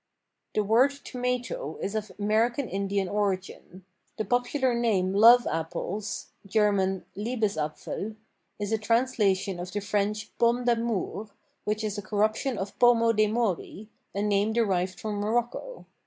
The word tomato is of American Indian origin. The popular name love apples (German Liebesæpfel) is a translation of the French pomme d'amour, which is a corruption of pomo dei Mori, a name derived from Morocco.